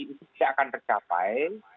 itu tidak akan tercapai